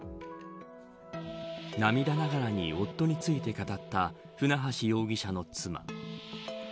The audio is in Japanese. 涙ながらに夫について語った船橋容疑者の妻。